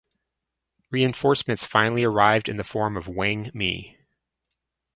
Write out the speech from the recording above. Reinforcements finally arrived in the form of Wang Mi.